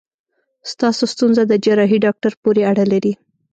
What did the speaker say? ستاسو ستونزه د جراحي داکټر پورې اړه لري.